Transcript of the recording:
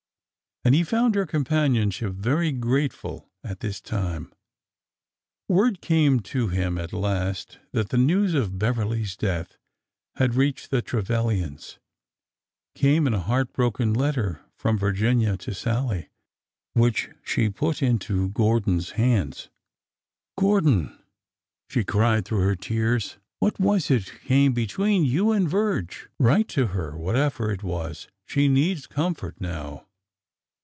And he found her companionship very grateful at this time. Word came to them at last that the news of Beverly's death had reached the Trevilians — came in a heart broken letter from Virginia to Sallie, which she put into Gor don's hands. '' Gordon," she cried through her tears, " what was it came between you and Virge? ... Write to her, what ever it was. ... She needs comfort now."